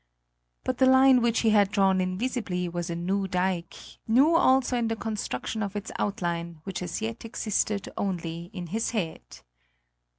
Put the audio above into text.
But the line which he had drawn invisibly was a new dike, new also in the construction of its outline, which as yet existed only in his head.